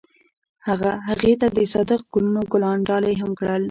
هغه هغې ته د صادق ګلونه ګلان ډالۍ هم کړل.